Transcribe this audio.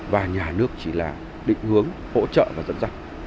và nhà nước chỉ là định hướng hỗ trợ và dẫn dắt